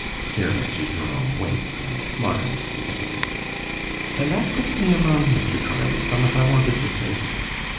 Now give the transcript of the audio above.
(Here Mr. Jerome winked and smiled significantly.) 'An' that puts me i' mind, Mr. Tryan, o' summat I wanted to say to you.